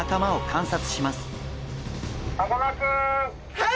はい！